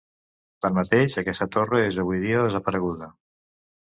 Tanmateix, aquesta torre és avui dia desapareguda.